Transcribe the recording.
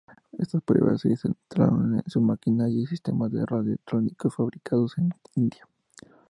Estas pruebas, se centraron en su maquinaria, y sistemas de radio-electrónicos fabricados en India.